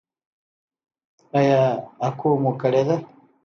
ایا اکو مو کړې ده؟